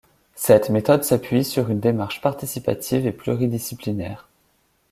Cette méthode s'appuie sur une démarche participative et pluridisciplinaire.